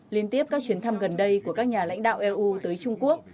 liên tiếp các chuyến thăm gần đây của các nhà lãnh đạo eu tới trung quốc